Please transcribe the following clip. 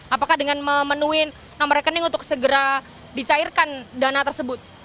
apakah dengan memenuhi nomor rekening untuk segera dicairkan dana tersebut